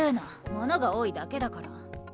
物が多いだけだから。